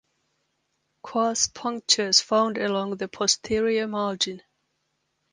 Coarse punctures found along the posterior margin.